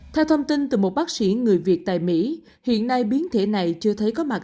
theo thông tin từ một bác sĩ người việt tại mỹ hiện nay biến thể này chưa thấy có mặt